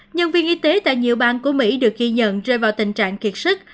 nhân viên y tế tại nhiều bang của mỹ được ghi nhận rơi vào tình trạng kiệt sức